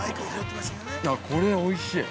◆これ、おいしい。